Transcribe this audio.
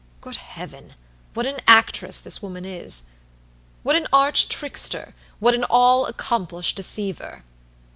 Good Heaven! what an actress this woman is. What an arch tricksterwhat an all accomplished deceiver.